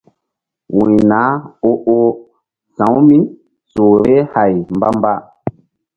Wuy nah o-oh sa̧wu mí su vbeh hay mbamba.